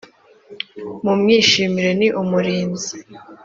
mu mwishimire ni umurinzi